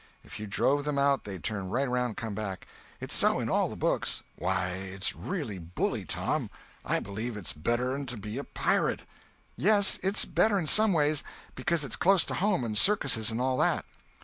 If you drove them out they'd turn right around and come back. It's so in all the books." "Why, it's real bully, Tom. I believe it's better'n to be a pirate." "Yes, it's better in some ways, because it's close to home and circuses and all that."